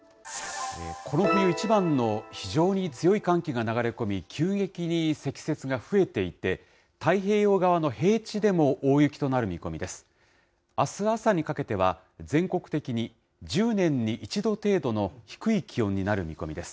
この冬一番の非常に強い寒気が流れ込み、急激に積雪が増えていて、太平洋側の平地でも大雪となる見込みです。